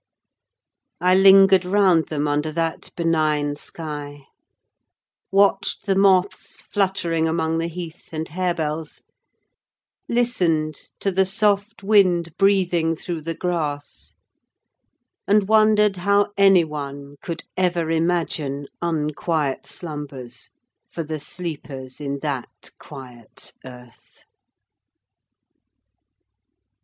I lingered round them, under that benign sky: watched the moths fluttering among the heath and harebells, listened to the soft wind breathing through the grass, and wondered how any one could ever imagine unquiet slumbers for the sleepers in that quiet earth.